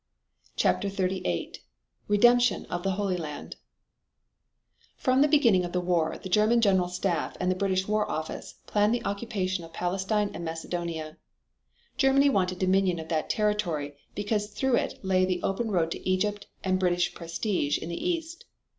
CHAPTER XXXVIII REDEMPTION OF THE HOLY LAND From the beginning of the war the German General Staff and the British War Office planned the occupation of Palestine and Macedonia. Germany wanted domination of that territory because through it lay the open road to Egypt and British prestige in the East.